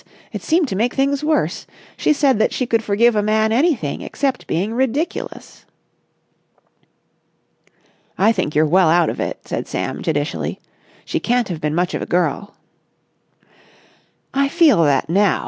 It seemed to make things worse. She said that she could forgive a man anything except being ridiculous." "I think you're well out of it," said Sam, judicially. "She can't have been much of a girl." "I feel that now.